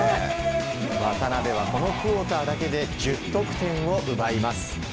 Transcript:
渡邊はこのクオーターだけで１０得点を奪います。